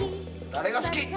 誰が好き？」